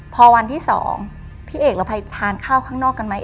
พอวันที่๒พี่เอกเราไปทานข้าวข้างนอกกันไหม